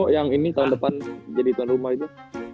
yang ini tahun depan jadi tuan rumah itu